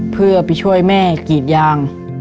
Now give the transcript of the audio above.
เพื่อไปช่วยแม่กรีดยาง